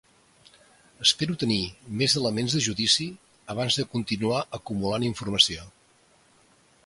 Espero tenir més elements de judici abans de continuar acumulant informació.